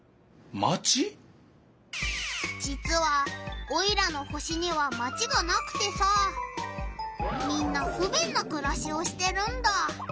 じつはオイラの星にはマチがなくてさみんなふべんなくらしをしてるんだ。